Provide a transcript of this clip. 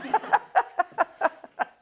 アハハハハ！